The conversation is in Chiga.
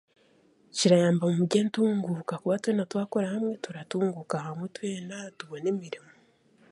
Kirayamba omu byentunguuka kuba twena twakora hamwe turatunguuka hamwe twena tubone emirimo.